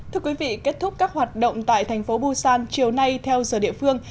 thưa quý vị kết thúc các hoạt động tại thành phố busan chiều nay theo giờ địa phương